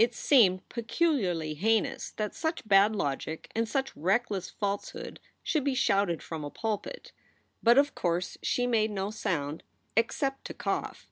It seemed peculiarly heinous that such bad logic and such reckless falsehood should be shouted from a pulpit. But of course she made no sound except to cough.